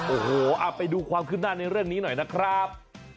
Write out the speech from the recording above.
โอ้โหเอาไปดูความคืบหน้าในเรื่องนี้หน่อยนะครับ